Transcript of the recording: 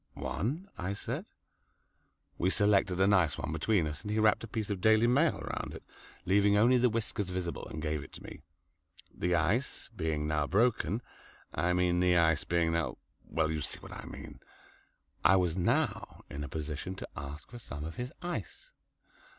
"One," I said. We selected a nice one between us, and he wrapped a piece of "Daily Mail" round it, leaving only the whiskers visible, and gave it to me. The ice being now broken I mean the ice being now well, you see what I mean I was now in a position to ask for some of his ice.